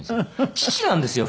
父なんですよ